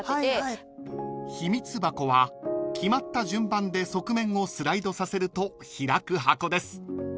［ひみつ箱は決まった順番で側面をスライドさせると開く箱です］